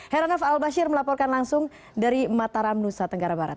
heranov albasir melaporkan langsung dari mataram nusa tenggara barat